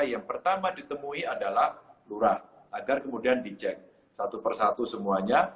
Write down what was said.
yang pertama ditemui adalah lurah agar kemudian dicek satu persatu semuanya